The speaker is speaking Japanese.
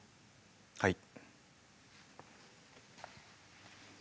はい。